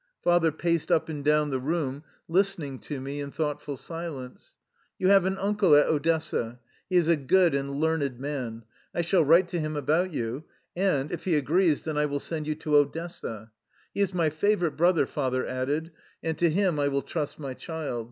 Father paced up and down the room, listen ing to me in thoughtful silence. " You have an uncle at Odessa. He is a good and learned man. I shall write to him about you and, if he agrees, then I will send you to Odessa. He is my favorite brother," father added, " and to him I will trust my child.